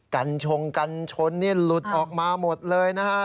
ัญชงกันชนนี่หลุดออกมาหมดเลยนะฮะ